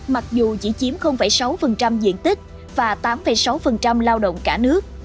mặc dù chỉ chiếm sáu diện tích và tám sáu lao động cả nước